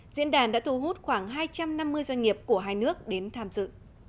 diễn đàn đã thu hút khoảng hai trăm năm mươi doanh nghiệp của hai nước đến tham dự